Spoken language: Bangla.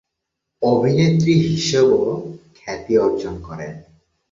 অভিনেত্রী হিসেবেও খ্যাতি অর্জন করেন।